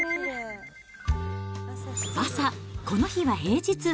朝、この日は平日。